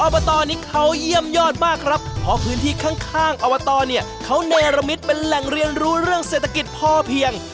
บตนี้เขาเยี่ยมยอดมากครับเพราะพื้นที่ข้างอบตเนี่ยเขาเนรมิตเป็นแหล่งเรียนรู้เรื่องเศรษฐกิจพอเพียง